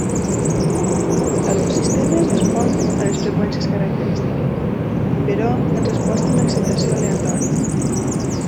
Alguns sistemes responen a les freqüències característiques, però en resposta a una excitació aleatòria.